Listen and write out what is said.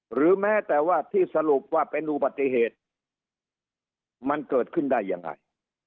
หรือแม้แต่ว่าที่สรุปว่าเป็นอุบัติเหตุมันเกิดขึ้นได้ยังไง